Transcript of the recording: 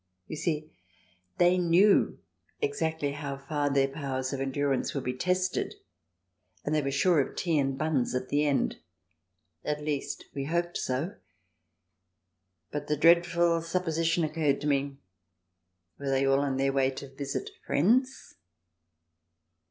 You see, they knew exactly how far their powers of endurance would be tested, and they were sure of tea and buns at the end. At least, we hoped so ; but the dreadful supposition occurred to me : Were they all on their way to visit friends